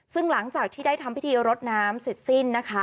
ซึ่งหลังจากที่ได้ทำพิธีรดน้ำเสร็จสิ้นนะคะ